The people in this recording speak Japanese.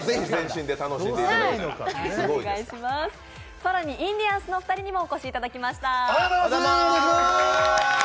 更にインディアンスのお二人にもお越しいただきました。